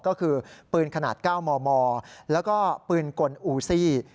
ก็คือปืนขนาด๙มมแล้วก็ปืนกลอูซี่